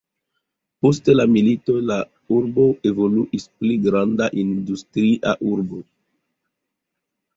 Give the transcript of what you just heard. Post la milito la urbo evoluis pli granda industria urbo.